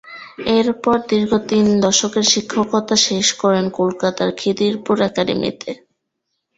এরপর দীর্ঘ তিন দশকের শিক্ষকতা শেষ করেন কলকাতার খিদিরপুর একাডেমিতে।